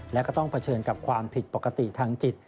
และก็ต้องเผชิญกับความผิดปกติทางจิต